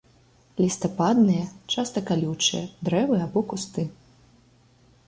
Лістападныя, часта калючыя, дрэвы або кусты.